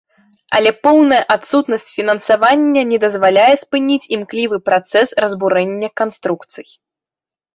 Але поўная адсутнасць фінансавання не дазваляе спыніць імклівы працэс разбурэння канструкцый.